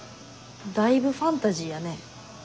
だいぶファンタジーやね。